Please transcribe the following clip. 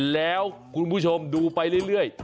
แล้วคุณผู้ชมดูไปเรื่อย